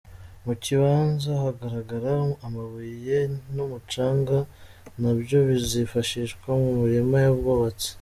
Mu kibanza hagaragara amabuye n’umucanga na byo bizifashishwa mu mirimo y’ubwubatsi.